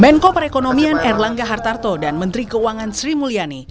menko perekonomian erlangga hartarto dan menteri keuangan sri mulyani